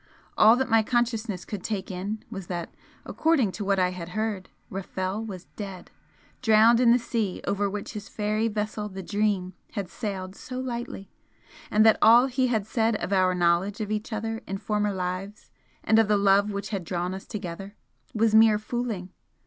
All that my consciousness could take in was that, according to what I had heard, Rafel was dead, drowned in the sea over which his fairy vessel the 'Dream' had sailed so lightly and that all he had said of our knowledge of each other in former lives, and of the love which had drawn us together, was mere 'fooling'!